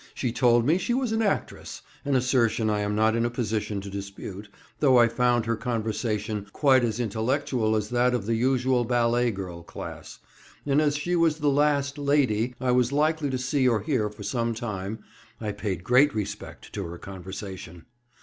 She told me she was an actress—an assertion I am not in a position to dispute, though I found her conversation quite as intellectual as that of the usual ballet girl class; and as she was the last "lady" I was likely to see or hear for some time, I paid great respect to her conversation.